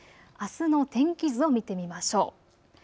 あすの天気図を見てみましょう。